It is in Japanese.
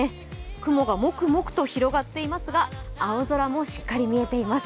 雲がもくもくと広がっていますが青空もしっかり見えています。